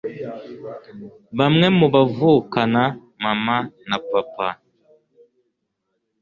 bamwe mu bavukana, mama, na papa